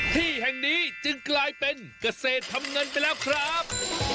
ที่แห่งนี้จึงกลายเป็นเกษตรทำเงินไปแล้วครับ